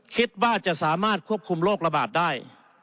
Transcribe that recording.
คิดว่าจะสามารถควบคุมโรคระบาดได้